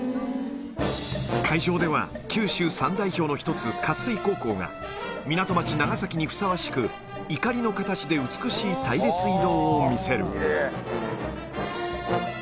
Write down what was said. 会場では、九州３代表の１つ、活水高校が、港町、長崎にふさわしく、いかりの形で美しい隊列移動を見せる。